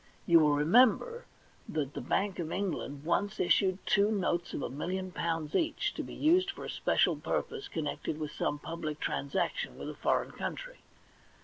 You will remember that the Bank of England once issued two notes of a million pounds each, to be used for a special purpose connected with some public transaction with a foreign country.